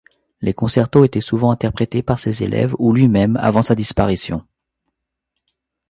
Les concertos étaient souvent interprétés par ses élèves ou lui-même, avant sa disparition.